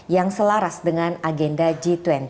yang selaras dengan agenda g dua puluh